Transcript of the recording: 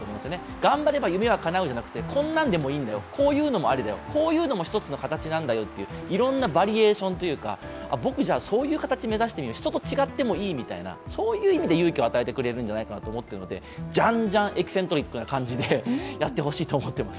頑張れば夢はかなうじゃなくてこういうのもありだよ、こういうのも一つの形なんだよといういろんなバリエーションというか僕、そういう形を目指してみよう、人と違ってもいいみたいな意味で勇気を与えてくれるんじゃないかと思っているのでじゃんじゃんエキセントリックな感じでやってほしいと思います。